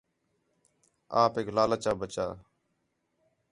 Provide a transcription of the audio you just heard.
آپیک لالچ آ ٻَچا